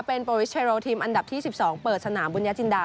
เป็นโปรวิสเทโรทีมอันดับที่๑๒เปิดสนามบุญญาจินดา